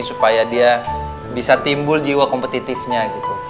supaya dia bisa timbul jiwa kompetitifnya gitu